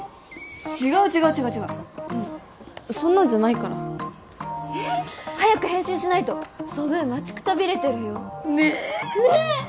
違う違う違う違うそんなんじゃないからえっ早く返信しないとソブー待ちくたびれてるよねえねえ！